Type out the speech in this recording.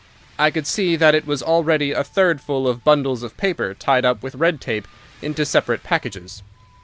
I could see that it was already a third full of bundles of paper tied up with red tape into separate packages.